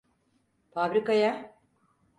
Fabrikaya!